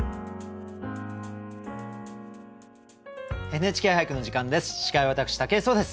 「ＮＨＫ俳句」の時間です。